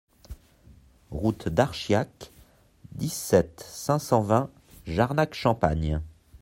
Route d'Archiac, dix-sept, cinq cent vingt Jarnac-Champagne